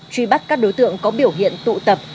truy bắt các đối tượng có biểu hiện tụ tập